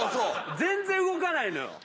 全然動かないのよ。